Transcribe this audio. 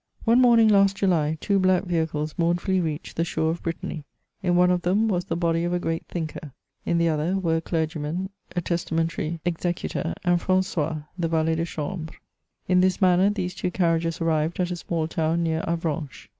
One morning last July, two black vehicles mournfully reached the shore of Brittany. In one of them was the body of a great thinker. In the other were a clergyman, a testa mentary executor, and Francois, the valet de chambre. In diis manner, these two carriages arrived at a small town near Avranches.